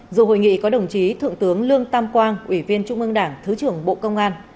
dù hội nghị có đồng chí thượng tướng lương tam quang ủy viên trung ương đảng thứ trưởng bộ công an